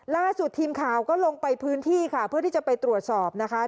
ล่าสุดทีมข่าวก็ลงไปพื้นที่ค่ะเพื่อที่จะไปตรวจสอบนะคะ